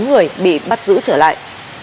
bốn người bị bắt giữ trở lại